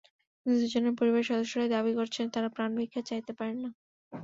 কিন্তু দুজনের পরিবারের সদস্যরাই দাবি করেছেন, তাঁরা প্রাণভিক্ষা চাইতে পারেন না।